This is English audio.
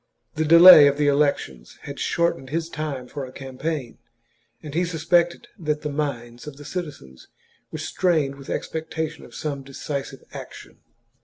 The delay of the elections had shortened his time for a campaign, and he suspected that the minds of the citizens were strained with expectation of some deci sive action.